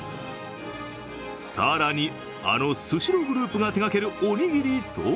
更に、あのスシローグループが手がけるおにぎりとは？